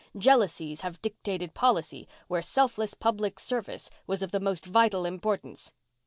Jealousies have dictated policy where selfless public service was of the most vital importance